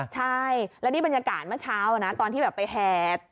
ใช่แล้วนี่บรรยากาศเมื่อเช้านะตอนที่แบบไปแห่